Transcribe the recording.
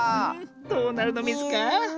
どうなるのミズか？